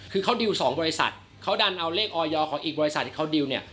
คือเขาดิว๒บริษัทเขาดันเอาเลขออยของอีกบริษัทที่เขาดิวเนี่ย